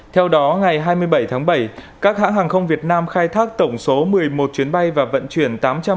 theo đó ngày hai mươi bảy tháng bảy các hãng hàng không việt nam khai thác tổng số một mươi một chuyến bay và vận chuyển